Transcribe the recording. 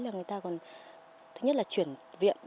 là người ta còn thứ nhất là chuyển viện